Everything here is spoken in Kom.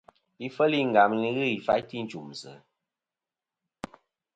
Ifel i Ngam nɨn ghɨ ifaytɨ i nchùmsɨ.